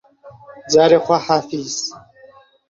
جارێ خواحافیز